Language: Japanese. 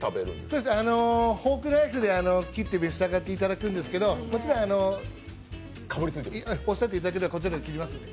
そうですね、フォークナイフで切って召し上がっていただくんですが、もちろん、おっしゃっていただければこちらでも切りますので。